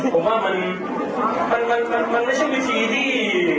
ผมว่ามันไม่ใช่วิธีที่